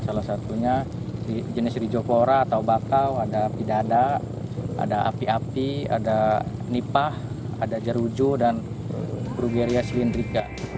salah satunya jenis rijopora atau bakau ada pidada ada api api ada nipah ada jerujo dan brugeria swindrika